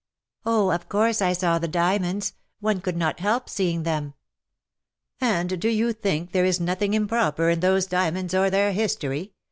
^' Oh, of course I saw the diamonds. One could not help seeing them.'^ " And do you think there is nothiug improper in those diamonds, or their history?"